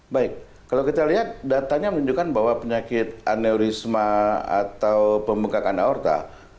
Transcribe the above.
baik kalau kita lihat datanya menunjukkan bahwa penyakit aneurisma atau pembengkakan aorta